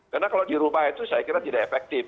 karena kalau di rumah itu saya kira tidak efektif